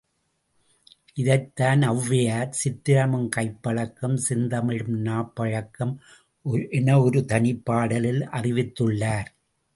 இதைத்தான் ஒளவையார், சித்திரமும் கைப்பழக்கம் செந்தமிழும் நாப்பழக்கம் என ஒரு தனிப்பாடலில் அறிவித்துள்ளார்.